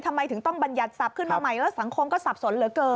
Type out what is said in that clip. ทำไมถึงต้องบรรยัติศัพท์ขึ้นมาใหม่แล้วสังคมก็สับสนเหลือเกิน